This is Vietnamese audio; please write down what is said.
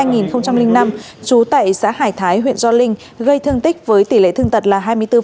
sinh năm hai nghìn năm chú tại xã hải thái huyện gio linh gây thương tích với tỷ lệ thương tật là hai mươi bốn